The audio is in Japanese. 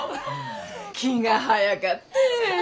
気が早かって。